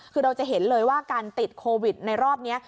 คือเราจะเห็นเลยว่าการติดโควิดในรอบนี้